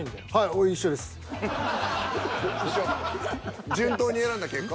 俺順当に選んだ結果？